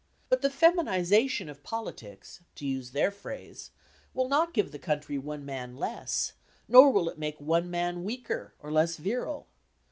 But the "feminisation" of politics (to use their phrase) will not give the country one man less, nor will it make one man weaker or less virile.